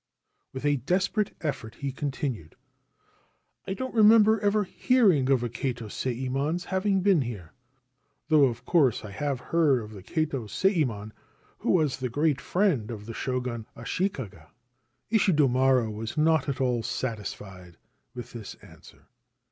With a desperate effort he continued : c I don't remember ever hearing of a Kato Sayemon's having been here, though, of course, I have heard of the Kato Sayemon who was the great friend of the Shogun Ashikaga.' Ishidomaro was not at all satisfied with this answer.